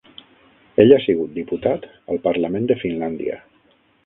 Ell ha sigut diputat al Parlament de Finlàndia.